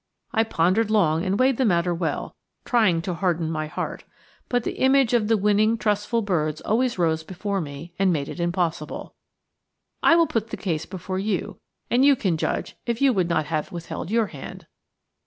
I pondered long and weighed the matter well, trying to harden my heart; but the image of the winning trustful birds always rose before me and made it impossible. I will put the case before you, and you can judge if you would not have withheld your hand.